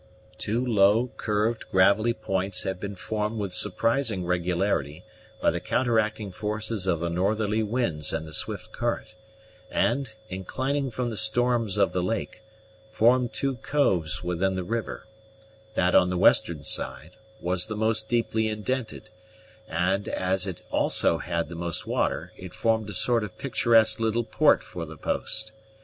Two low, curved, gravelly points had been formed with surprising regularity by the counteracting forces of the northerly winds and the swift current, and, inclining from the storms of the lake, formed two coves within the river: that on the western side was the most deeply indented; and, as it also had the most water, it formed a sort of picturesque little port for the post.